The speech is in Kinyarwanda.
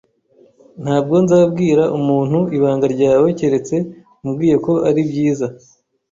Ntabwo nzabwira umuntu ibanga ryawe keretse umbwiye ko ari byiza.